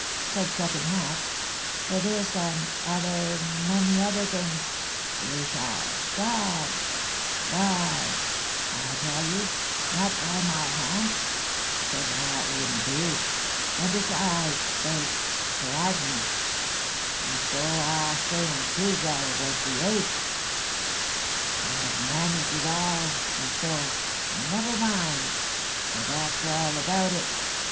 said Cut in Half; 'for this and other many other things you shall die die, I tell you but not by my hand because that wouldn't do and besides they'd "scrag" me and so I'll say and prove that it was the ape. I have managed it all and so never mind for that's all about it!'